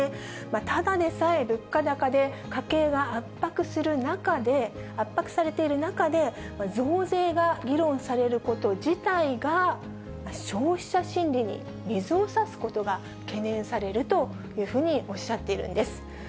ただでさえ物価高で家計が圧迫されている中で、増税が議論されること自体が消費者心理に水をさすことが懸念されるというふうにおっしゃっているんです。